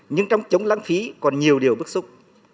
nhưng trong chống lãng phí còn nhiều điều bức xúc